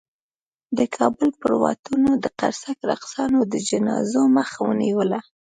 د کابل پر واټونو د قرصک رقاصانو د جنازو مخه ونیوله.